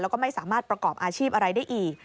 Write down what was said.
แล้วก็ไม่สามารถประกอบอาชีพอะไรได้อีก